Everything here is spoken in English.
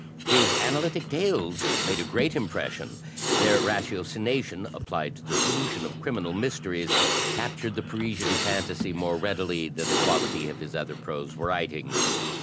His analytic tales made a great impres sion. Their ratiocination, applied to the solution of criminal mysteries, captured the Parisian fancy more readily than the quality of his other prose writings.